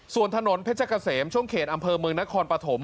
ส่วนถนนเพชรเกษมช่วงเขตอำเภอเมืองนครปฐม